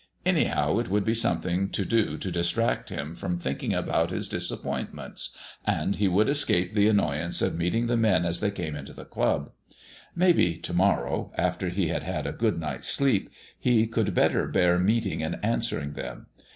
Anyhow, it would be something to do to distract him from thinking about his disappointments, and he would escape the annoyance of meeting the men as they came into the club. Maybe to morrow, after he had had a good night's sleep, he could better bear meeting and answering them.